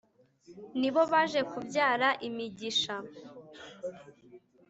ni bo baje kubyara imigisha.